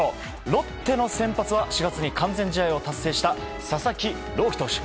ロッテの先発は４月に完全試合を達成した佐々木朗希投手。